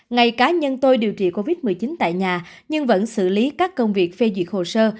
ngày cá nhân tôi điều trị covid một mươi chín tại nhà nhưng vẫn xử lý các công việc phê duyệt hồ sơ